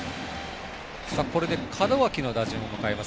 これで門脇の打順を迎えます。